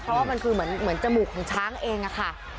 เพราะว่ามันคือเหมือนจมูกของช้างเองอะค่ะ